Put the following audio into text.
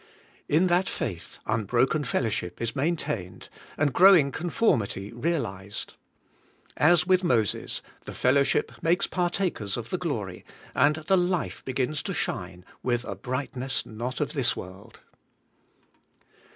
In that faith unbroken fellowship is maintained, and growing conformity realized. As with Moses, the fellowship makes partakers of the glory, and the life begins to shine with a brightness not of this world.